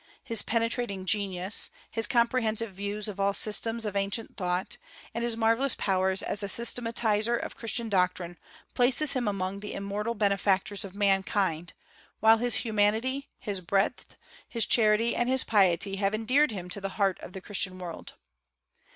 His penetrating genius, his comprehensive views of all systems of ancient thought, and his marvellous powers as a systematizer of Christian doctrines place him among the immortal benefactors of mankind; while his humanity, his breadth, his charity, and his piety have endeared him to the heart of the Christian world.